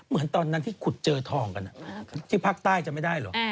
เหมือนตอนนั้นที่ขุดเจอทองกันที่ภาคใต้จะไม่ได้เหรอ